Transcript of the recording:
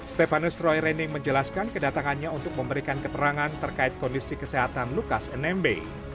stefanus roy reni menjelaskan kedatangannya untuk memberikan keterangan terkait kondisi kesehatan lukas nmb